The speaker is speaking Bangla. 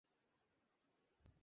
এতেই ওরকম মহিলাদের শিক্ষা হবে।